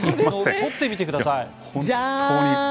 取ってみてください。